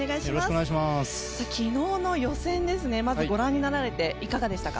昨日の予選をまずご覧になられていかがでしたか？